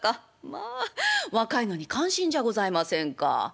まあ若いのに感心じゃございませんか」。